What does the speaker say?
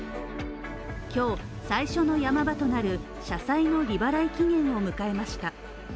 今日最初の山場となる社債の利払い期限を迎えました。